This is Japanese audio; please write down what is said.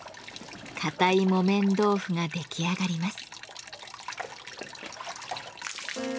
かたい木綿豆腐が出来上がります。